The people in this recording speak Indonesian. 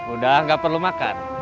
udah gak perlu makan